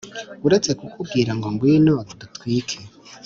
Uretse kukubwira ngo ngwino dutwike